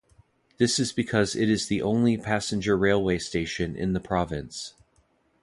This is because it is the only passenger railway station in the province.